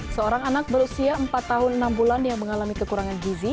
seorang anak berusia empat tahun enam bulan yang mengalami kekurangan gizi